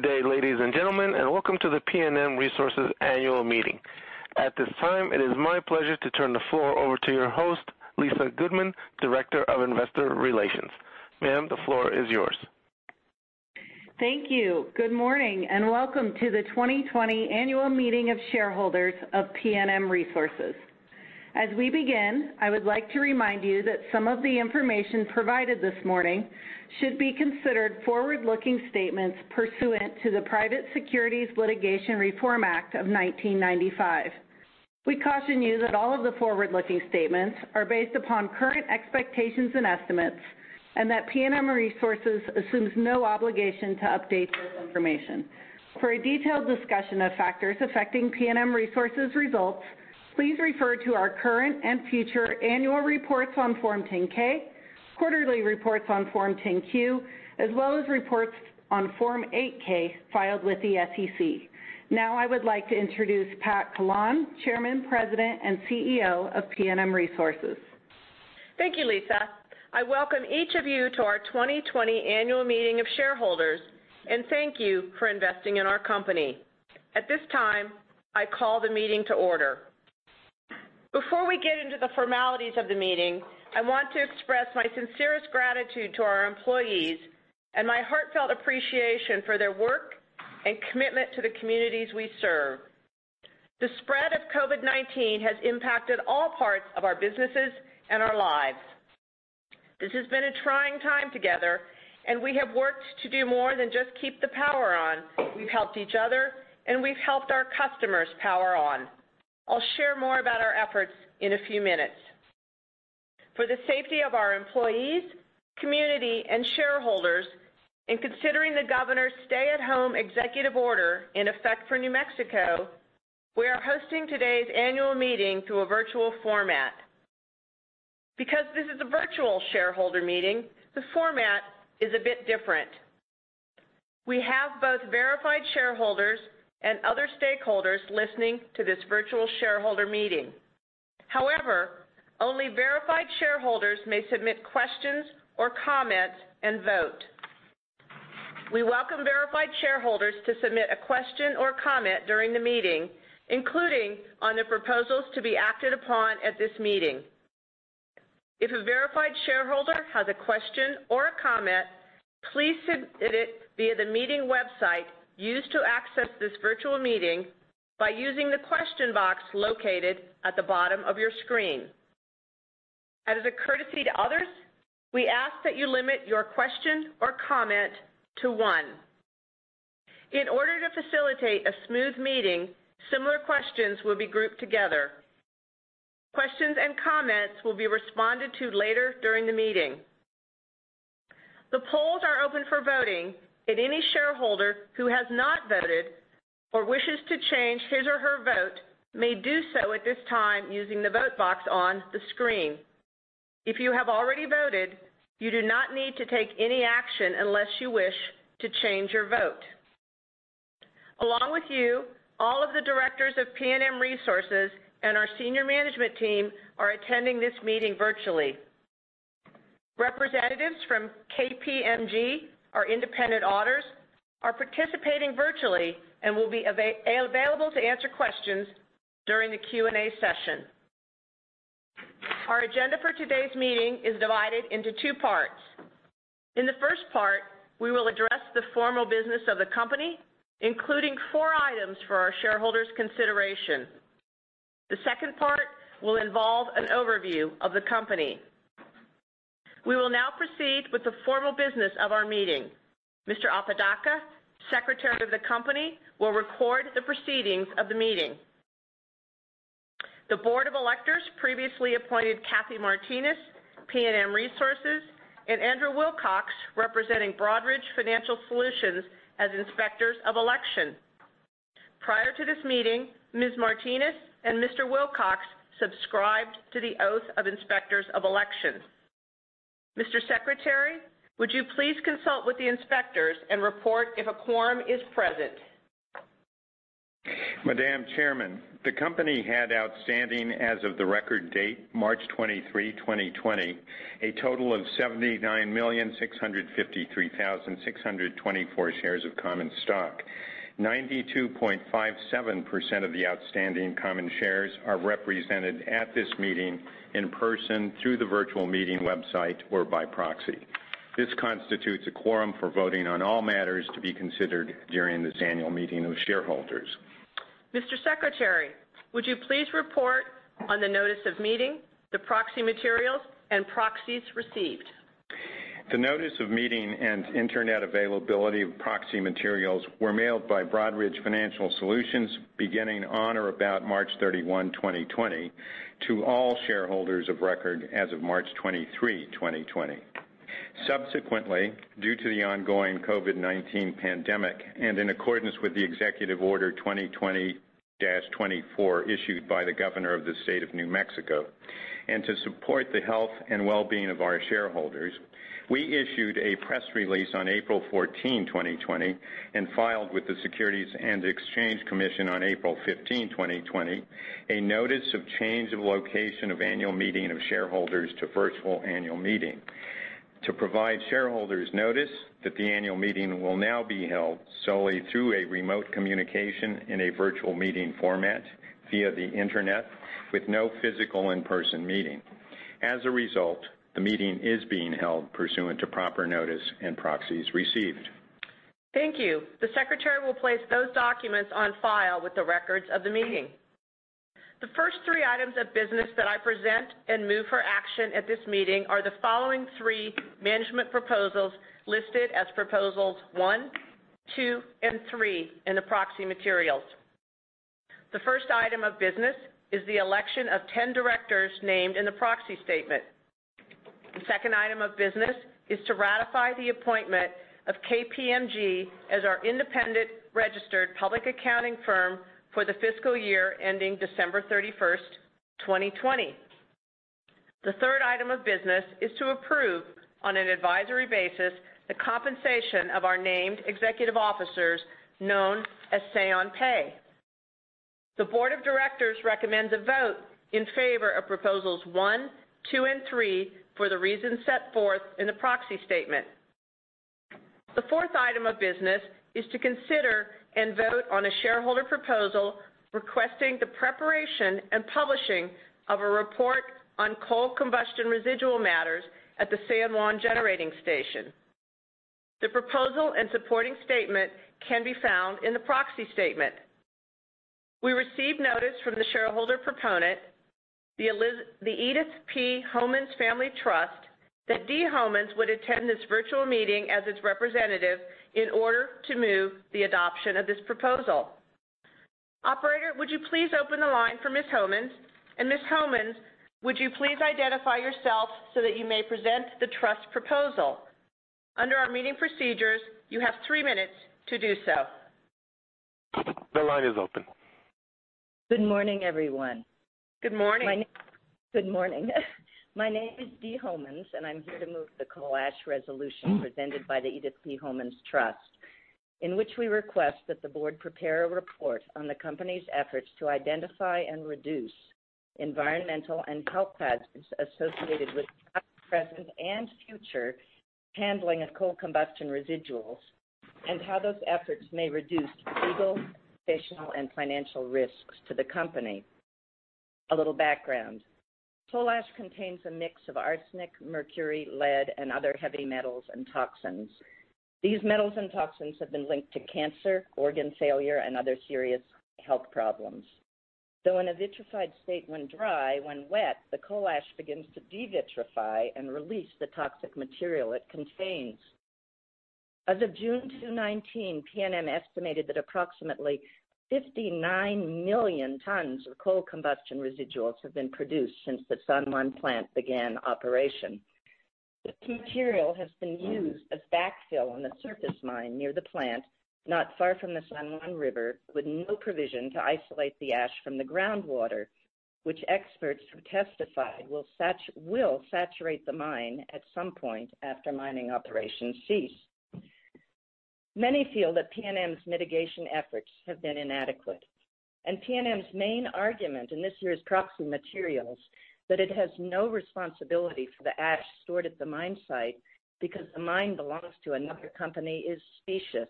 Good day, ladies and gentlemen, welcome to the PNM Resources Annual Meeting. At this time, it is my pleasure to turn the floor over to your host, Lisa Goodman, Director of Investor Relations. Ma'am, the floor is yours. Thank you. Good morning, and welcome to the 2020 annual meeting of shareholders of PNM Resources. As we begin, I would like to remind you that some of the information provided this morning should be considered forward-looking statements pursuant to the Private Securities Litigation Reform Act of 1995. We caution you that all of the forward-looking statements are based upon current expectations and estimates, and that PNM Resources assumes no obligation to update this information. For a detailed discussion of factors affecting PNM Resources results, please refer to our current and future annual reports on Form 10-K, quarterly reports on Form 10-Q, as well as reports on Form 8-K filed with the SEC. Now, I would like to introduce Pat Collawn, Chairman, President, and CEO of PNM Resources. Thank you, Lisa. I welcome each of you to our 2020 annual meeting of shareholders, and thank you for investing in our company. At this time, I call the meeting to order. Before we get into the formalities of the meeting, I want to express my sincerest gratitude to our employees and my heartfelt appreciation for their work and commitment to the communities we serve. The spread of COVID-19 has impacted all parts of our businesses and our lives. This has been a trying time together, and we have worked to do more than just keep the power on. We've helped each other, and we've helped our customers power on. I'll share more about our efforts in a few minutes. For the safety of our employees, community, and shareholders, in considering the Governor's stay-at-home Executive Order in effect for New Mexico, we are hosting today's annual meeting through a virtual format. Because this is a virtual shareholder meeting, the format is a bit different. We have both verified shareholders and other stakeholders listening to this virtual shareholder meeting. However, only verified shareholders may submit questions or comments and vote. We welcome verified shareholders to submit a question or comment during the meeting, including on the proposals to be acted upon at this meeting. If a verified shareholder has a question or a comment, please submit it via the meeting website used to access this virtual meeting by using the question box located at the bottom of your screen. As a courtesy to others, we ask that you limit your question or comment to one. In order to facilitate a smooth meeting, similar questions will be grouped together. Questions and comments will be responded to later during the meeting. The polls are open for voting, and any shareholder who has not voted or wishes to change his or her vote may do so at this time using the vote box on the screen. If you have already voted, you do not need to take any action unless you wish to change your vote. Along with you, all of the directors of PNM Resources and our senior management team are attending this meeting virtually. Representatives from KPMG, our independent auditors, are participating virtually and will be available to answer questions during the Q&A session. Our agenda for today's meeting is divided into two parts. In the first part, we will address the formal business of the company, including four items for our shareholders' consideration. The second part will involve an overview of the company. We will now proceed with the formal business of our meeting. Mr. Patrick Apodaca, Secretary of the company, will record the proceedings of the meeting. The Board of Directors previously appointed Cathy Martinez, PNM Resources, and Andrew Wilcox, representing Broadridge Financial Solutions, as Inspectors of Election. Prior to this meeting, Ms. Martinez and Mr. Wilcox subscribed to the Oath of Inspectors of Election. Mr. Secretary, would you please consult with the Inspectors and report if a quorum is present? Madam Chairman, the company had outstanding as of the record date, March 23, 2020, a total of 79,653,624 shares of common stock. 92.57% of the outstanding common shares are represented at this meeting in person through the virtual meeting website or by proxy. This constitutes a quorum for voting on all matters to be considered during this annual meeting of shareholders. Mr. Secretary, would you please report on the notice of meeting, the proxy materials, and proxies received? The notice of meeting and internet availability of proxy materials were mailed by Broadridge Financial Solutions beginning on or about March 31, 2020, to all shareholders of record as of March 23, 2020. Subsequently, due to the ongoing COVID-19 pandemic and in accordance with the Executive Order 2020-2024 issued by the Governor of the State of New Mexico, and to support the health and wellbeing of our shareholders, we issued a press release on April 14, 2020, and filed with the Securities and Exchange Commission on April 15, 2020, a Notice of Change of Location of Annual Meeting of Shareholders to Virtual Annual Meeting. To provide shareholders notice that the annual meeting will now be held solely through a remote communication in a virtual meeting format via the internet, with no physical in-person meeting. As a result, the meeting is being held pursuant to proper notice and proxies received. Thank you. The secretary will place those documents on file with the records of the meeting. The first three items of business that I present and move for action at this meeting are the following three management proposals listed as proposals one, two, and three in the proxy materials. The first item of business is the election of 10 directors named in the proxy statement. The second item of business is to ratify the appointment of KPMG as our independent registered public accounting firm for the fiscal year ending December 31st, 2020. The third item of business is to approve, on an advisory basis, the compensation of our named executive officers known as Say on Pay. The Board of Directors recommends a vote in favor of proposals one, two, and three for the reasons set forth in the proxy statement. The fourth item of business is to consider and vote on a shareholder proposal requesting the preparation and publishing of a report on coal combustion residual matters at the San Juan Generating Station. The proposal and supporting statement can be found in the proxy statement. We received notice from the shareholder proponent, the Edith P. Homans Family Trust, that Dee Homans would attend this virtual meeting as its representative in order to move the adoption of this proposal. operator, would you please open the line for Ms. Homans? Ms. Homans, would you please identify yourself so that you may present the trust proposal? Under our meeting procedures, you have three minutes to do so. The line is open. Good morning, everyone. Good morning. Good morning. My name is Dee Homans, and I'm here to move the coal ash resolution presented by the Edith P. Homans Family Trust, in which we request that the Board prepare a report on the company's efforts to identify and reduce environmental and health hazards associated with past, present, and future handling of coal combustion residuals, and how those efforts may reduce legal, operational, and financial risks to the company. A little background. Coal ash contains a mix of arsenic, mercury, lead, and other heavy metals and toxins. These metals and toxins have been linked to cancer, organ failure, and other serious health problems. Though in a vitrified state when dry, when wet, the coal ash begins to devitrify and release the toxic material it contains. As of June 2019, PNM estimated that approximately 59 million tons of coal combustion residuals have been produced since the San Juan plant began operation. This material has been used as backfill on the surface mine near the plant, not far from the San Juan River, with no provision to isolate the ash from the groundwater, which experts who testified will saturate the mine at some point after mining operations cease. Many feel that PNM's mitigation efforts have been inadequate. PNM's main argument in this year's proxy materials that it has no responsibility for the ash stored at the mine site because the mine belongs to another company, is specious.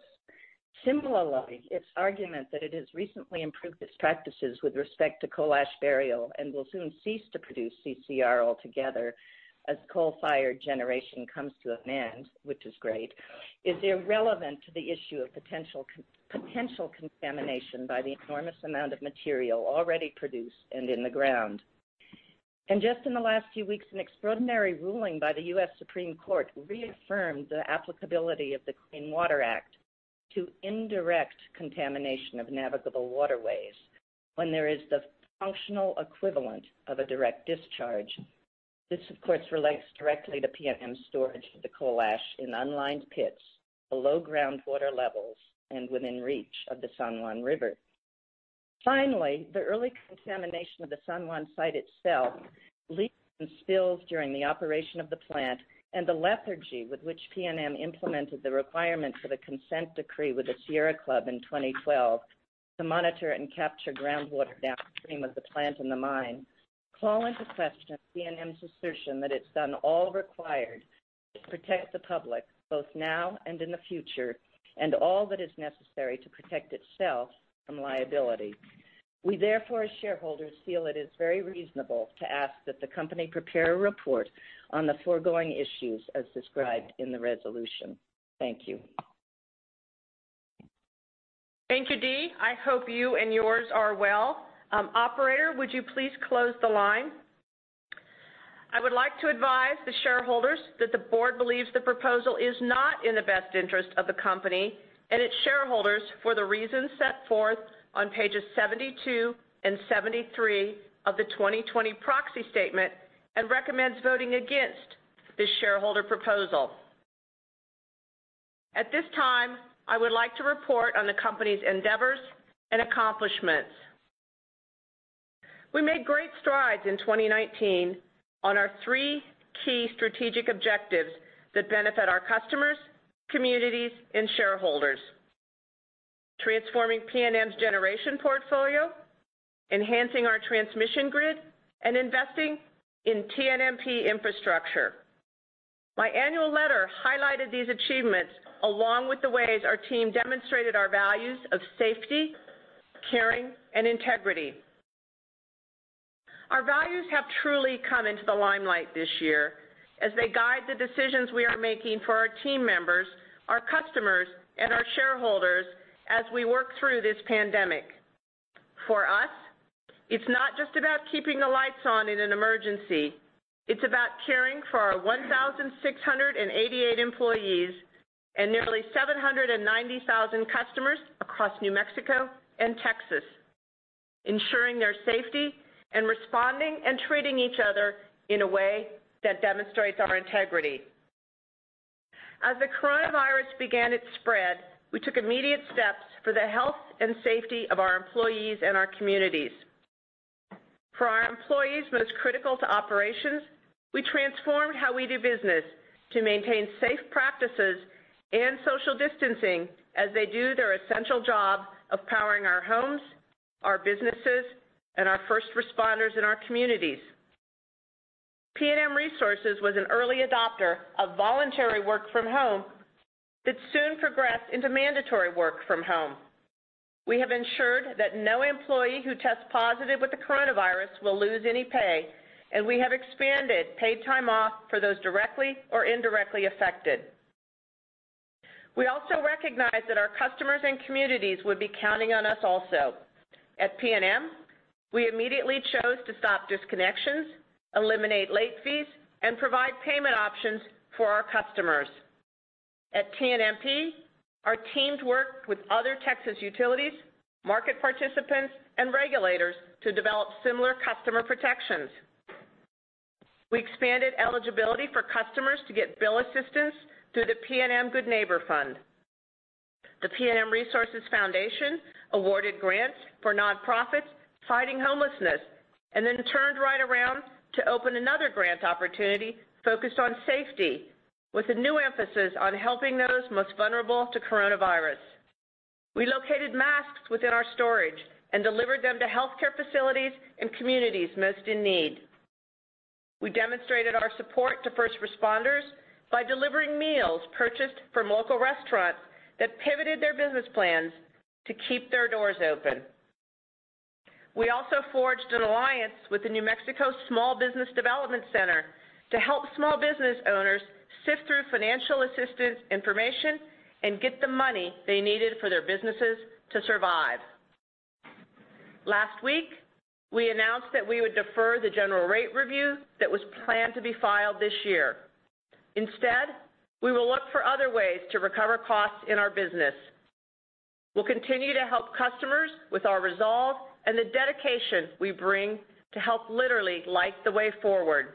Similarly, its argument that it has recently improved its practices with respect to coal ash burial and will soon cease to produce CCR altogether as coal-fired generation comes to an end, which is great, is irrelevant to the issue of potential contamination by the enormous amount of material already produced and in the ground. Just in the last few weeks, an extraordinary ruling by the U.S. Supreme Court reaffirmed the applicability of the Clean Water Act to indirect contamination of navigable waterways when there is the functional equivalent of a direct discharge. This, of course, relates directly to PNM's storage of the coal ash in unlined pits below groundwater levels and within reach of the San Juan River. Finally, the early contamination of the San Juan site itself, leaks and spills during the operation of the plant, and the lethargy with which PNM implemented the requirements of a consent decree with the Sierra Club in 2012 to monitor and capture groundwater downstream of the plant and the mine, call into question PNM's assertion that it's done all required to protect the public, both now and in the future, and all that is necessary to protect itself from liability. We therefore, as shareholders, feel it is very reasonable to ask that the company prepare a report on the foregoing issues as described in the resolution. Thank you. Thank you, Dee. I hope you and yours are well. Operator, would you please close the line? I would like to advise the shareholders that the board believes the proposal is not in the best interest of the company and its shareholders for the reasons set forth on pages 72 and 73 of the 2020 proxy statement and recommends voting against this shareholder proposal. At this time, I would like to report on the company's endeavors and accomplishments. We made great strides in 2019 on our three key strategic objectives that benefit our customers, communities, and shareholders: Transforming PNM's generation portfolio, enhancing our transmission grid, and investing in TNMP infrastructure. My annual letter highlighted these achievements along with the ways our team demonstrated our values of safety, caring, and integrity. Our values have truly come into the limelight this year as they guide the decisions we are making for our team members, our customers, and our shareholders as we work through this pandemic. For us, it's not just about keeping the lights on in an emergency. It's about caring for our 1,688 employees and nearly 790,000 customers across New Mexico and Texas, ensuring their safety and responding and treating each other in a way that demonstrates our integrity. As the coronavirus began its spread, we took immediate steps for the health and safety of our employees and our communities. For our employees most critical to operations, we transformed how we do business to maintain safe practices and social distancing as they do their essential job of powering our homes, our businesses, and our first responders in our communities. PNM Resources was an early adopter of voluntary work from home that soon progressed into mandatory work from home. We have ensured that no employee who tests positive with the coronavirus will lose any pay, and we have expanded paid time off for those directly or indirectly affected. We also recognize that our customers and communities would be counting on us also. At PNM, we immediately chose to stop disconnections, eliminate late fees, and provide payment options for our customers. At TNMP, our teams worked with other Texas utilities, market participants, and regulators to develop similar customer protections. We expanded eligibility for customers to get bill assistance through the PNM Good Neighbor Fund. The PNM Resources Foundation awarded grants for nonprofits fighting homelessness and then turned right around to open another grant opportunity focused on safety with a new emphasis on helping those most vulnerable to coronavirus. We located masks within our storage and delivered them to healthcare facilities and communities most in need. We demonstrated our support to first responders by delivering meals purchased from local restaurants that pivoted their business plans to keep their doors open. We also forged an alliance with the New Mexico Small Business Development Center to help small business owners sift through financial assistance information and get the money they needed for their businesses to survive. Last week, we announced that we would defer the general rate review that was planned to be filed this year. We will look for other ways to recover costs in our business. We'll continue to help customers with our resolve and the dedication we bring to help literally light the way forward.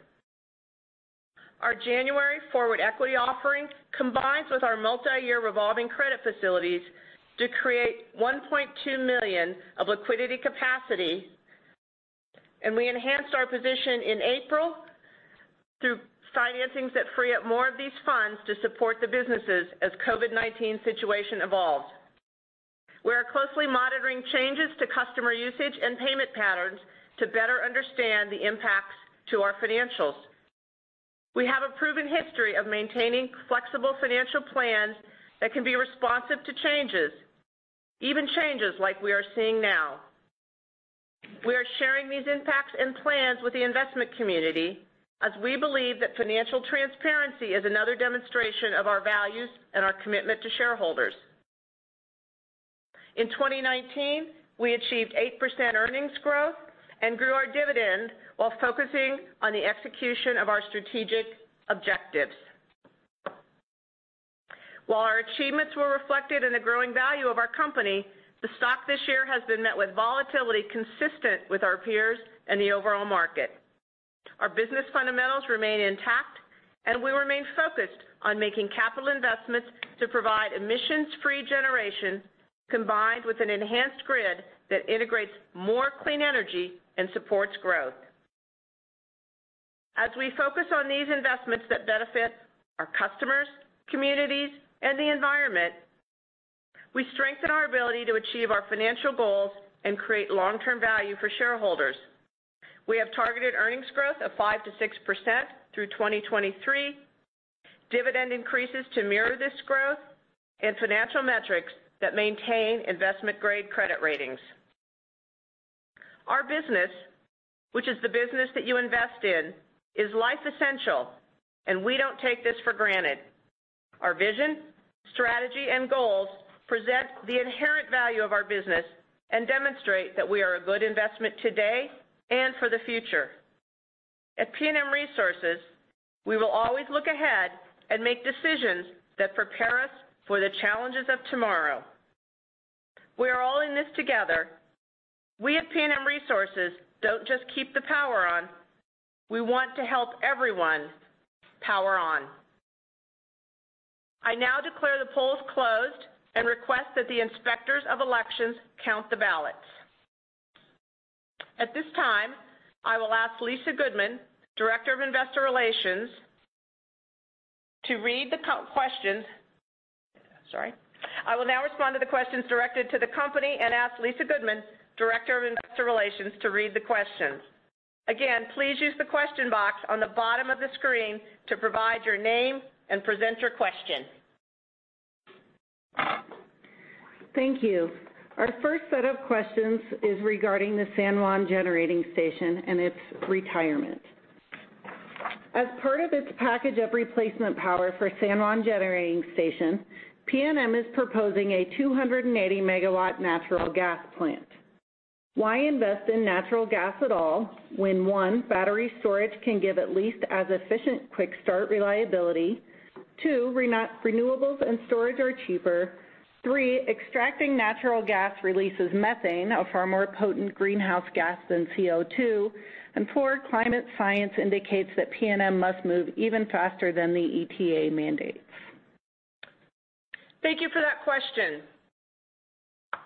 Our January forward equity offering combines with our multi-year revolving credit facilities to create $1.2 billion of liquidity capacity. We enhanced our position in April through financings that free up more of these funds to support the businesses as COVID-19 situation evolves. We are closely monitoring changes to customer usage and payment patterns to better understand the impacts to our financials. We have a proven history of maintaining flexible financial plans that can be responsive to changes, even changes like we are seeing now. We are sharing these impacts and plans with the investment community as we believe that financial transparency is another demonstration of our values and our commitment to shareholders. In 2019, we achieved 8% earnings growth and grew our dividend while focusing on the execution of our strategic objectives. While our achievements were reflected in the growing value of our company, the stock this year has been met with volatility consistent with our peers and the overall market. Our business fundamentals remain intact, and we remain focused on making capital investments to provide emissions-free generation combined with an enhanced grid that integrates more clean energy and supports growth. As we focus on these investments that benefit our customers, communities, and the environment, we strengthen our ability to achieve our financial goals and create long-term value for shareholders. We have targeted earnings growth of 5%-6% through 2023, dividend increases to mirror this growth, and financial metrics that maintain investment-grade credit ratings. Our business, which is the business that you invest in, is life essential, and we don't take this for granted. Our vision, strategy, and goals present the inherent value of our business and demonstrate that we are a good investment today and for the future. At PNM Resources, we will always look ahead and make decisions that prepare us for the challenges of tomorrow. We are all in this together. We at PNM Resources don't just keep the power on. We want to help everyone power on. I now declare the polls closed and request that the Inspectors of Election count the ballots. At this time, I will ask Lisa Goodman, Director of Investor Relations, to read the questions. Sorry. I will now respond to the questions directed to the company and ask Lisa Goodman, Director of Investor Relations, to read the questions. Again, please use the question box on the bottom of the screen to provide your name and present your question. Thank you. Our first set of questions is regarding the San Juan Generating Station and its retirement. As part of its package of replacement power for San Juan Generating Station, PNM is proposing a 280 MW natural gas plant. Why invest in natural gas at all when, one, battery storage can give at least as efficient quick-start reliability, two, renewables and storage are cheaper, three, extracting natural gas releases methane, a far more potent greenhouse gas than CO2, and four, climate science indicates that PNM must move even faster than the EPA mandates? Thank you for that question.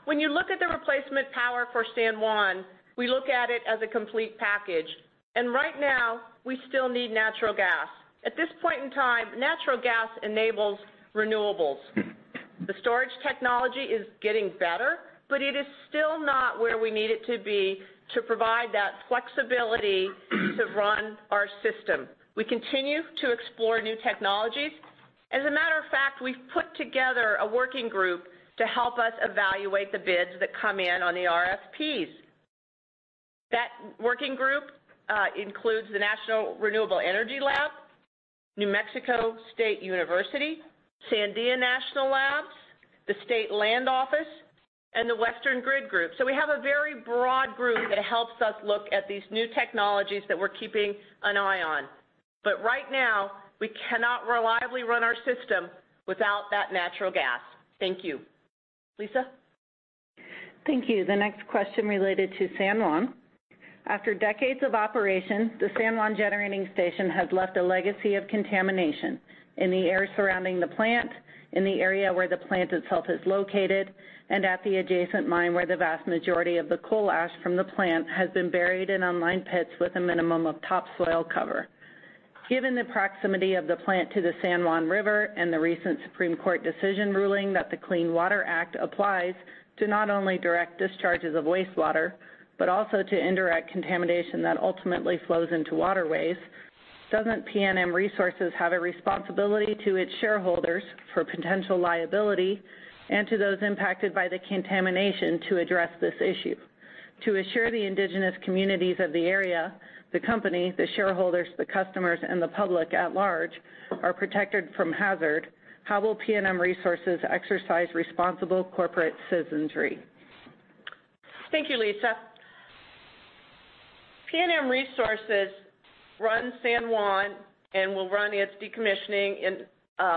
When you look at the replacement power for San Juan, we look at it as a complete package. Right now, we still need natural gas. At this point in time, natural gas enables renewables. The storage technology is getting better. It is still not where we need it to be to provide that flexibility to run our system. We continue to explore new technologies. As a matter of fact, we've put together a working group to help us evaluate the bids that come in on the requests for proposals. That working group includes the National Renewable Energy Lab, New Mexico State University, Sandia National Labs, the State Land Office, and the Western Grid Group. We have a very broad group that helps us look at these new technologies that we're keeping an eye on. Right now, we cannot reliably run our system without that natural gas. Thank you. Lisa? Thank you. The next question related to San Juan. After decades of operation, the San Juan Generating Station has left a legacy of contamination in the air surrounding the plant, in the area where the plant itself is located, and at the adjacent mine where the vast majority of the coal ash from the plant has been buried in unlined pits with a minimum of topsoil cover. Given the proximity of the plant to the San Juan River and the recent Supreme Court decision ruling that the Clean Water Act applies to not only direct discharges of wastewater, but also to indirect contamination that ultimately flows into waterways, doesn't PNM Resources have a responsibility to its shareholders for potential liability and to those impacted by the contamination to address this issue? To assure the indigenous communities of the area, the company, the shareholders, the customers, and the public at large are protected from hazard, how will PNM Resources exercise responsible corporate citizenry? Thank you, Lisa. PNM Resources runs San Juan and will run its decommissioning in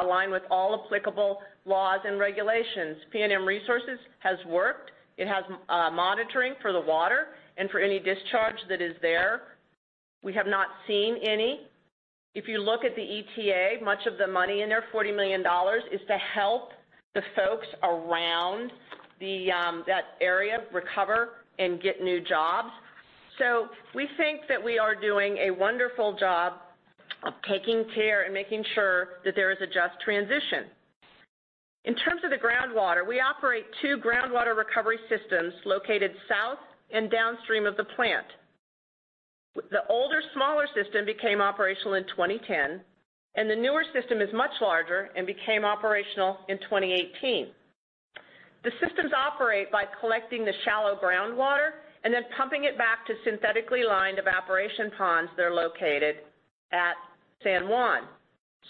line with all applicable laws and regulations. PNM Resources has worked. It has monitoring for the water and for any discharge that is there. We have not seen any. If you look at the estimated time of arrival, much of the money in there, $40 million, is to help the folks around that area recover and get new jobs. We think that we are doing a wonderful job of taking care and making sure that there is a just transition. In terms of the groundwater, we operate two groundwater recovery systems located south and downstream of the plant. The older, smaller system became operational in 2010, and the newer system is much larger and became operational in 2018. The systems operate by collecting the shallow groundwater and then pumping it back to synthetically lined evaporation ponds that are located at San Juan.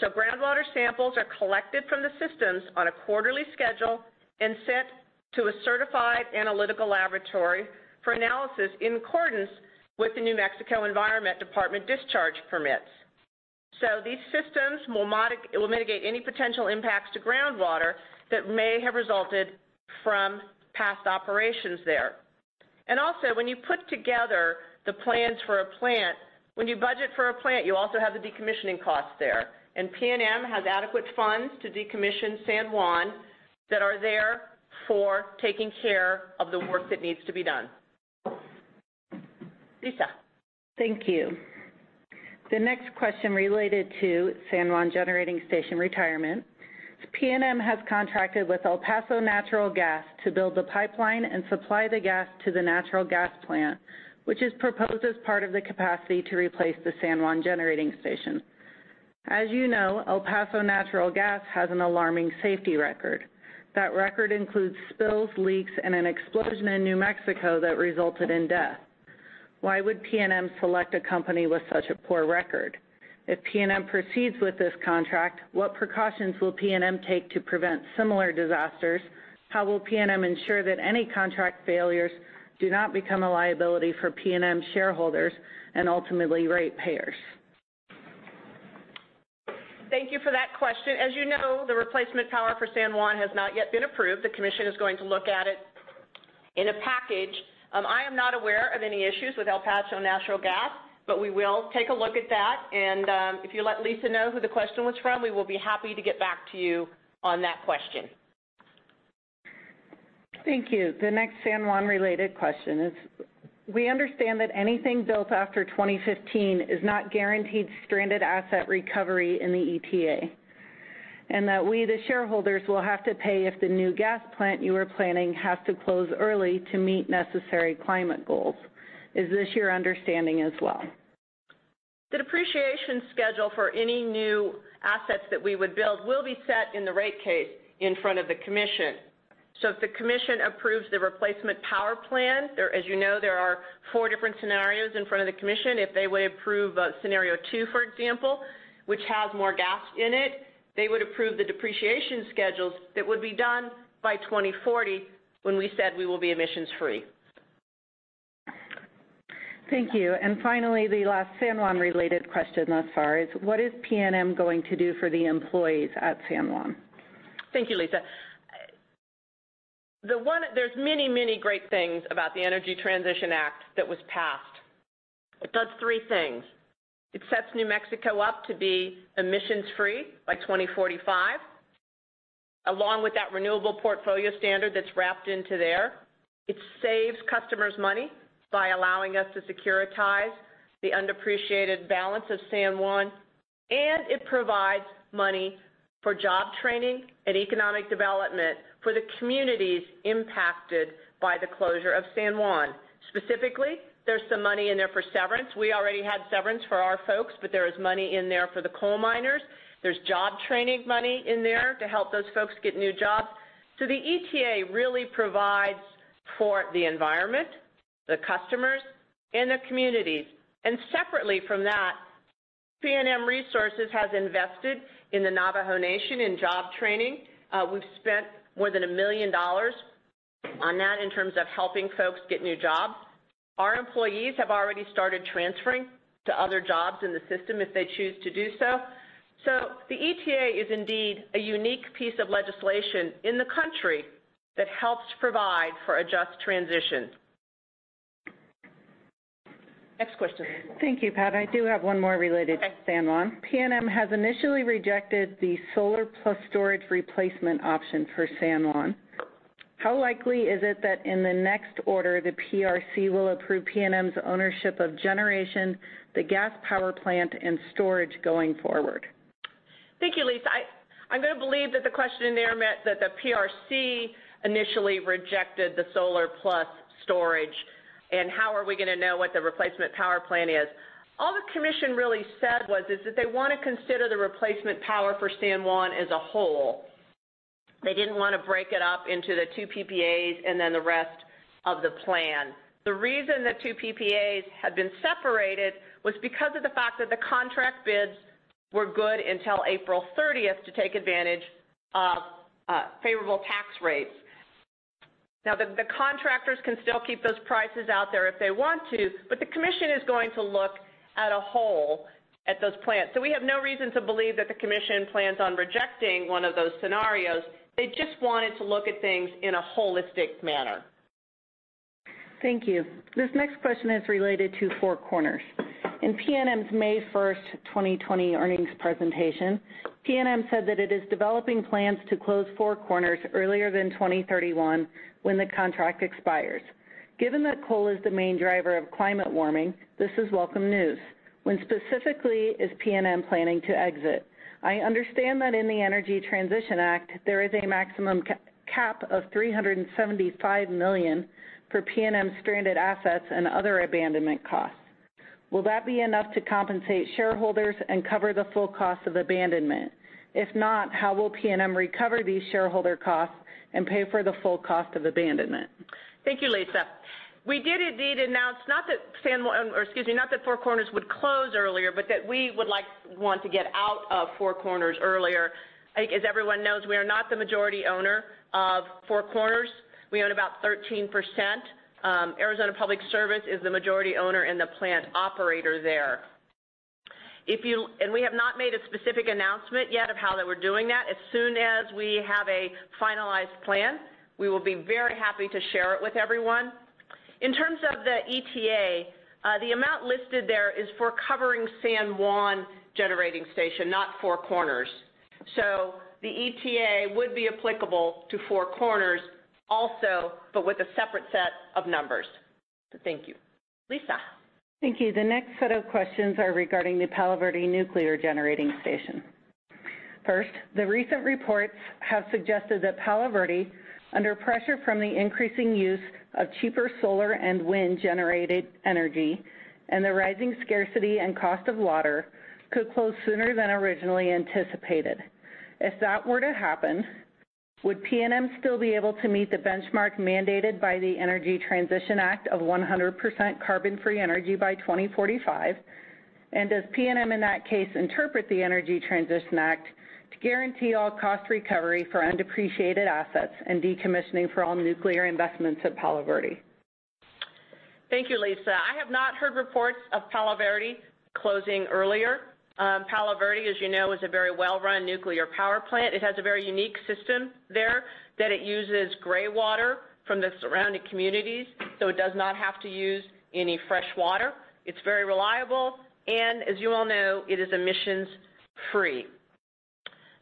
Groundwater samples are collected from the systems on a quarterly schedule and sent to a certified analytical laboratory for analysis in accordance with the New Mexico Environment Department discharge permits. These systems will mitigate any potential impacts to groundwater that may have resulted from past operations there. Also, when you put together the plans for a plant, when you budget for a plant, you also have the decommissioning costs there. PNM has adequate funds to decommission San Juan that are there for taking care of the work that needs to be done. Lisa. Thank you. The next question related to San Juan Generating Station retirement. PNM has contracted with El Paso Natural Gas to build the pipeline and supply the gas to the natural gas plant, which is proposed as part of the capacity to replace the San Juan Generating Station. As you know, El Paso Natural Gas has an alarming safety record. That record includes spills, leaks, and an explosion in New Mexico that resulted in death. Why would PNM select a company with such a poor record? If PNM proceeds with this contract, what precautions will PNM take to prevent similar disasters? How will PNM ensure that any contract failures do not become a liability for PNM shareholders and ultimately ratepayers? Thank you for that question. As you know, the replacement power for San Juan has not yet been approved. The commission is going to look at it in a package. I am not aware of any issues with El Paso Natural Gas, but we will take a look at that. If you let Lisa know who the question was from, we will be happy to get back to you on that question. Thank you. The next San Juan related question is: We understand that anything built after 2015 is not guaranteed stranded asset recovery in the ETA, and that we, the shareholders, will have to pay if the new gas plant you are planning has to close early to meet necessary climate goals. Is this your understanding as well? The depreciation schedule for any new assets that we would build will be set in the rate case in front of the Commission. If the Commission approves the replacement power plan, as you know, there are four different scenarios in front of the Commission. If they were to approve scenario two, for example, which has more gas in it, they would approve the depreciation schedules that would be done by 2040 when we said we will be emissions free. Thank you. Finally, the last San Juan related question, as far as what is PNM going to do for the employees at San Juan? Thank you, Lisa. There's many great things about the Energy Transition Act that was passed. It does three things. It sets New Mexico up to be emissions free by 2045. Along with that renewable portfolio standard that's wrapped into there, it saves customers money by allowing us to securitize the undepreciated balance of San Juan, and it provides money for job training and economic development for the communities impacted by the closure of San Juan. Specifically, there's some money in there for severance. We already had severance for our folks, but there is money in there for the coal miners. There's job training money in there to help those folks get new jobs. The ETA really provides for the environment, the customers, and the communities. Separately from that, PNM Resources has invested in the Navajo Nation in job training. We've spent more than $1 million on that in terms of helping folks get new jobs. Our employees have already started transferring to other jobs in the system if they choose to do so. The ETA is indeed a unique piece of legislation in the country that helps provide for a just transition. Next question. Thank you. Pat. I do have one more related to San Juan. Okay. PNM has initially rejected the solar plus storage replacement option for San Juan. How likely is it that in the next order, the PRC will approve PNM's ownership of generation, the gas power plant, and storage going forward? Thank you, Lisa. I'm going to believe that the question in there meant that the PRC initially rejected the solar plus storage, and how are we going to know what the replacement power plan is? All the commission really said was that they want to consider the replacement power for San Juan as a whole. They didn't want to break it up into the two Power Purchase Agreements and then the rest of the plan. The reason the two PPAs had been separated was because of the fact that the contract bids were good until April 30th to take advantage of favorable tax rates. The contractors can still keep those prices out there if they want to, but the commission is going to look at a whole at those plans. We have no reason to believe that the commission plans on rejecting one of those scenarios. They just wanted to look at things in a holistic manner. Thank you. This next question is related to Four Corners. In PNM's May 1, 2020 earnings presentation, PNM said that it is developing plans to close Four Corners earlier than 2031 when the contract expires. Given that coal is the main driver of climate warming, this is welcome news. When specifically is PNM planning to exit? I understand that in the Energy Transition Act, there is a maximum cap of $375 million for PNM stranded assets and other abandonment costs. Will that be enough to compensate shareholders and cover the full cost of abandonment? If not, how will PNM recover these shareholder costs and pay for the full cost of abandonment? Thank you, Lisa. We did indeed announce, not that Four Corners would close earlier, but that we would want to get out of Four Corners earlier. I think as everyone knows, we are not the majority owner of Four Corners. We own about 13%. Arizona Public Service is the majority owner and the plant operator there. We have not made a specific announcement yet of how that we're doing that. As soon as we have a finalized plan, we will be very happy to share it with everyone. In terms of the ETA, the amount listed there is for covering San Juan Generating Station, not Four Corners. The ETA would be applicable to Four Corners also, but with a separate set of numbers. Thank you. Lisa. Thank you. The next set of questions are regarding the Palo Verde Nuclear Generating Station. First, the recent reports have suggested that Palo Verde, under pressure from the increasing use of cheaper solar and wind-generated energy and the rising scarcity and cost of water, could close sooner than originally anticipated. If that were to happen, would PNM still be able to meet the benchmark mandated by the Energy Transition Act of 100% carbon-free energy by 2045? Does PNM, in that case, interpret the Energy Transition Act to guarantee all cost recovery for undepreciated assets and decommissioning for all nuclear investments at Palo Verde? Thank you, Lisa. I have not heard reports of Palo Verde closing earlier. Palo Verde, as you know, is a very well-run nuclear power plant. It has a very unique system there that it uses gray water from the surrounding communities, so it does not have to use any fresh water. It's very reliable, and as you all know, it is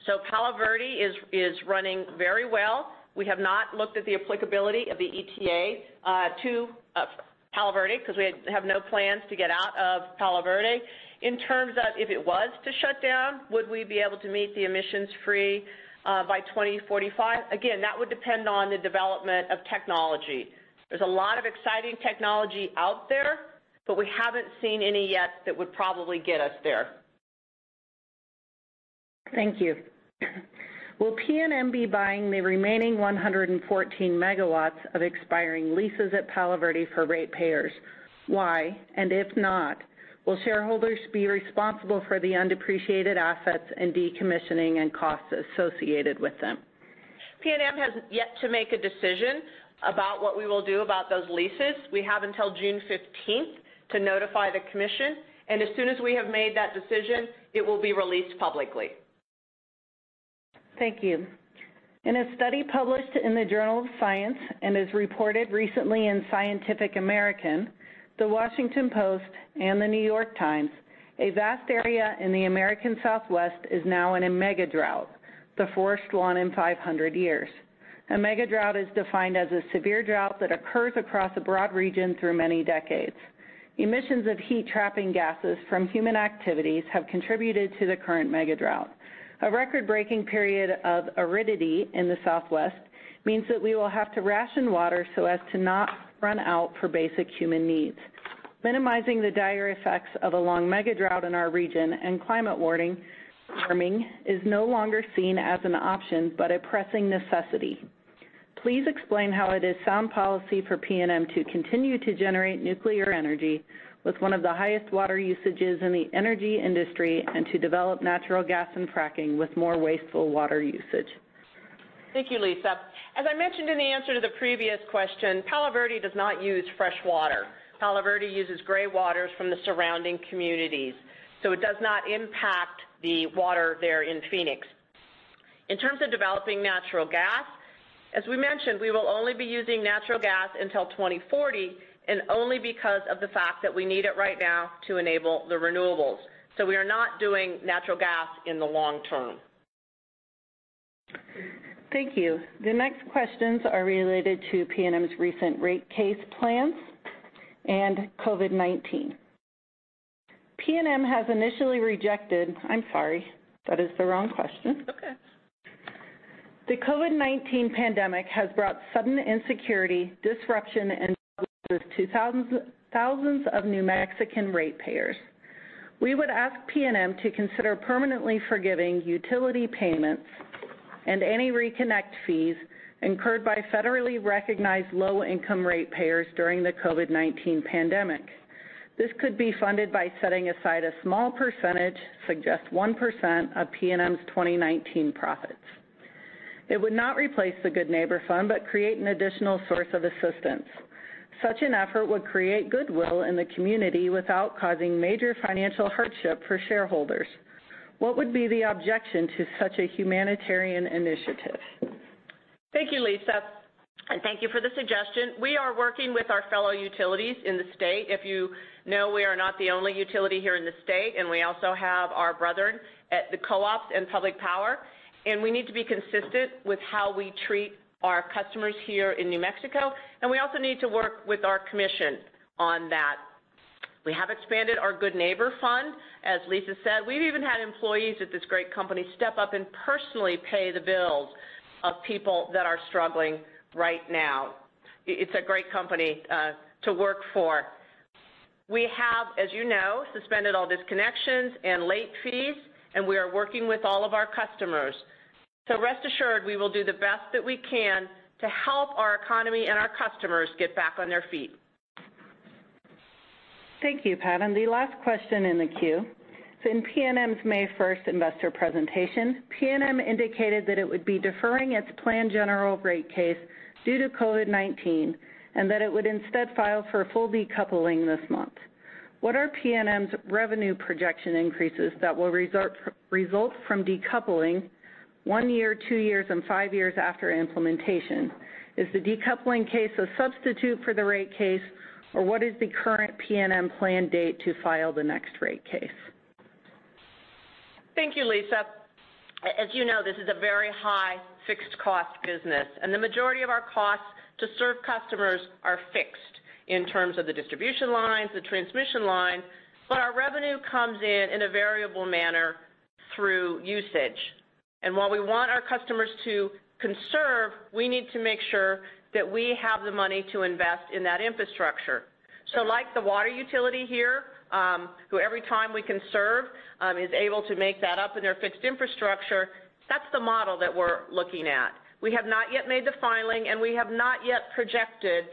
emissions-free. Palo Verde is running very well. We have not looked at the applicability of the ETA to Palo Verde because we have no plans to get out of Palo Verde. In terms of if it was to shut down, would we be able to meet the emissions-free by 2045? Again, that would depend on the development of technology. There's a lot of exciting technology out there, but we haven't seen any yet that would probably get us there. Thank you. Will PNM be buying the remaining 114 megawatts of expiring leases at Palo Verde for ratepayers? Why? If not, will shareholders be responsible for the undepreciated assets and decommissioning and costs associated with them? PNM has yet to make a decision about what we will do about those leases. As soon as we have made that decision, it will be released publicly. Thank you. In a study published in Science and as reported recently in Scientific American, The Washington Post, and The New York Times, a vast area in the American Southwest is now in a megadrought, the first one in 500 years. A megadrought is defined as a severe drought that occurs across a broad region through many decades. Emissions of heat-trapping gases from human activities have contributed to the current megadrought. A record-breaking period of aridity in the Southwest means that we will have to ration water so as to not run out for basic human needs. Minimizing the dire effects of a long megadrought in our region and climate warming is no longer seen as an option, but a pressing necessity. Please explain how it is sound policy for PNM to continue to generate nuclear energy with one of the highest water usages in the energy industry, and to develop natural gas and fracking with more wasteful water usage? Thank you, Lisa. As I mentioned in the answer to the previous question, Palo Verde does not use fresh water. Palo Verde uses gray waters from the surrounding communities, so it does not impact the water there in Phoenix. In terms of developing natural gas, as we mentioned, we will only be using natural gas until 2040, and only because of the fact that we need it right now to enable the renewables. We are not doing natural gas in the long term. Thank you. The next questions are related to PNM's recent rate case plans and COVID-19. I'm sorry, that is the wrong question. It's okay. The COVID-19 pandemic has brought sudden insecurity, disruption, and to thousands of New Mexican ratepayers. We would ask PNM to consider permanently forgiving utility payments and any reconnect fees incurred by federally recognized low-income ratepayers during the COVID-19 pandemic. This could be funded by setting aside a small percentage, suggest 1%, of PNM's 2019 profits. It would not replace the Good Neighbor Fund, but create an additional source of assistance. Such an effort would create goodwill in the community without causing major financial hardship for shareholders. What would be the objection to such a humanitarian initiative? Thank you, Lisa, and thank you for the suggestion. We are working with our fellow utilities in the state. If you know, we are not the only utility here in the state, and we also have our brethren at the co-ops and public power, and we need to be consistent with how we treat our customers here in New Mexico, and we also need to work with our commission on that. We have expanded our Good Neighbor Fund. As Lisa said, we've even had employees at this great company step up and personally pay the bills of people that are struggling right now. It's a great company to work for. We have, as you know, suspended all disconnections and late fees, and we are working with all of our customers. Rest assured, we will do the best that we can to help our economy and our customers get back on their feet. Thank you, Pat, and the last question in the queue. In PNM's May 1st investor presentation, PNM indicated that it would be deferring its planned general rate case due to COVID-19, and that it would instead file for full decoupling this month. What are PNM's revenue projection increases that will result from decoupling one year, two years, and five years after implementation? Is the decoupling case a substitute for the rate case, or what is the current PNM planned date to file the next rate case? Thank you, Lisa. As you know, this is a very high fixed cost business, and the majority of our costs to serve customers are fixed in terms of the distribution lines, the transmission lines, but our revenue comes in in a variable manner through usage. While we want our customers to conserve, we need to make sure that we have the money to invest in that infrastructure. Like the water utility here, who every time we conserve, is able to make that up in their fixed infrastructure, that's the model that we're looking at. We have not yet made the filing, and we have not yet projected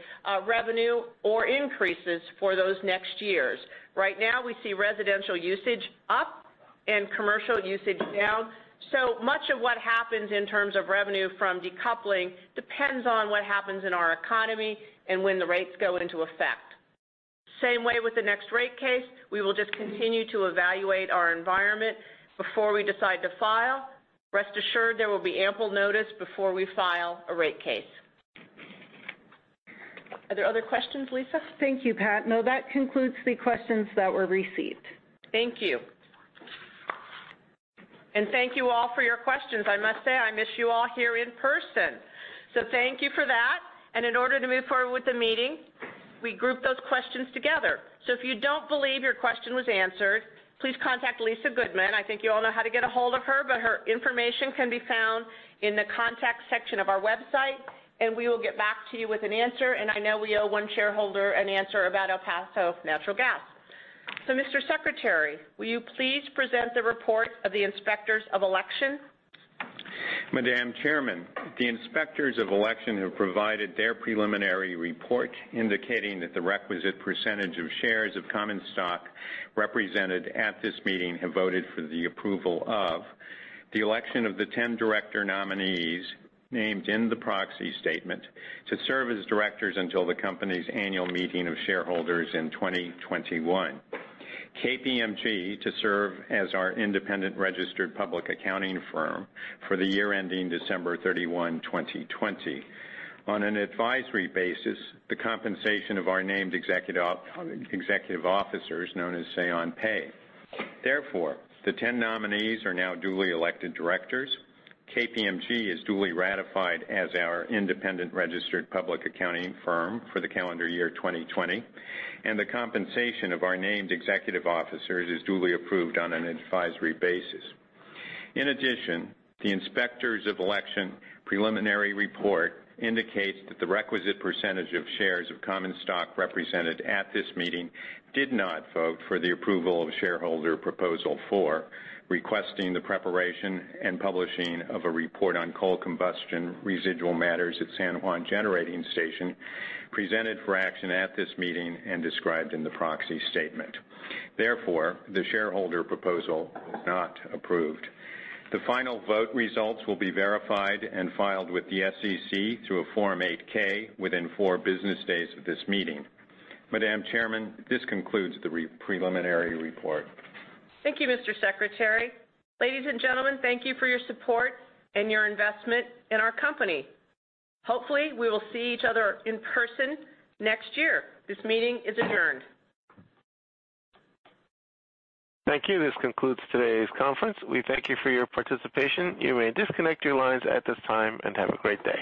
revenue or increases for those next years. Right now, we see residential usage up and commercial usage down. Much of what happens in terms of revenue from decoupling depends on what happens in our economy and when the rates go into effect. Same way with the next rate case. We will just continue to evaluate our environment before we decide to file. Rest assured, there will be ample notice before we file a rate case. Are there other questions, Lisa? Thank you, Pat. No, that concludes the questions that were received. Thank you. Thank you all for your questions. I must say, I miss you all here in person. Thank you for that. In order to move forward with the meeting, we group those questions together. If you don't believe your question was answered, please contact Lisa Goodman. I think you all know how to get ahold of her, but her information can be found in the contact section of our website, and we will get back to you with an answer. I know we owe one shareholder an answer about El Paso Natural Gas. Mr. Secretary, will you please present the report of the Inspectors of Election? Madam Chairman, the Inspectors of Election have provided their preliminary report indicating that the requisite percentage of shares of common stock represented at this meeting have voted for the approval of the election of the 10 director nominees named in the proxy statement to serve as directors until the company's annual meeting of shareholders in 2021, KPMG to serve as our independent registered public accounting firm for the year ending December 31, 2020, and on an advisory basis, the compensation of our named executive officers, known as say on pay. Therefore, the 10 nominees are now duly elected directors. KPMG is duly ratified as our independent registered public accounting firm for the calendar year 2020, and the compensation of our named executive officers is duly approved on an advisory basis. The Inspectors of Election preliminary report indicates that the requisite percentage of shares of common stock represented at this meeting did not vote for the approval of Shareholder Proposal four, requesting the preparation and publishing of a report on coal combustion residual matters at San Juan Generating Station, presented for action at this meeting and described in the proxy statement. The shareholder proposal was not approved. The final vote results will be verified and filed with the SEC through a Form 8-K within four business days of this meeting. Madam Chairman, this concludes the preliminary report. Thank you, Mr. Secretary. Ladies and gentlemen, thank you for your support and your investment in our company. Hopefully, we will see each other in person next year. This meeting is adjourned. Thank you. This concludes today's conference. We thank you for your participation. You may disconnect your lines at this time, and have a great day.